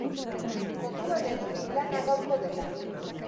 Kontuan eduki lana gaurko dela.